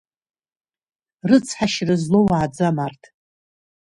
Рыцҳашьара злоу уааӡам арҭ…